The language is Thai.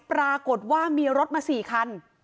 ปรากฏว่ามีรถมา๔คัน